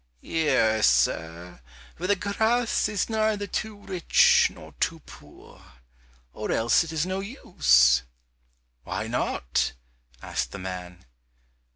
"Here, sir, where the grass is neither too rich nor too poor, or else it is no use." "Why not?" asked the man.